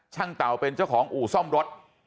เต่าเป็นเจ้าของอู่ซ่อมรถ